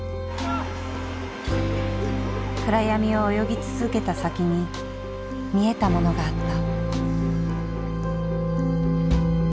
暗闇を泳ぎ続けた先に見えたものがあった。